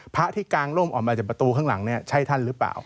พระที่กางร่มออกมาจากประตูข้างหลังเนี่ยใช่ท่านหรือเปล่า